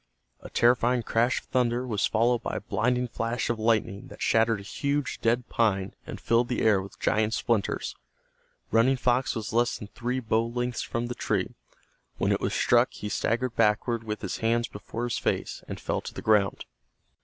A terrifying crash of thunder was followed by a blinding flash of lightning that shattered a huge dead pine and filled the air with giant splinters. Running Fox was less than three bow lengths from the tree. When it was struck he staggered backward with his hands before his face, and fell to the ground.